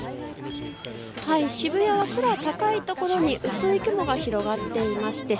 渋谷は空高いところに薄い雲が広がっています。